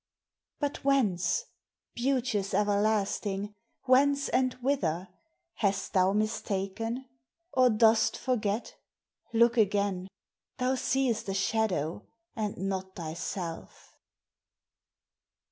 But whence? Beauteous everlasting! Whence and whither? Hast thou mistaken? Or dost forget? Look again! Thou seest A shadow and not thyself.